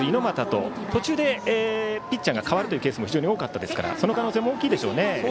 猪俣と途中でピッチャーが代わるケースも多かったですからその可能性も大きいでしょうね。